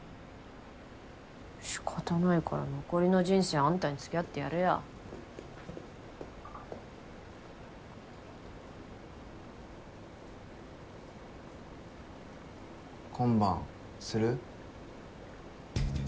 しかたないから残りの人生あんたにつきあってやるよ。今晩する？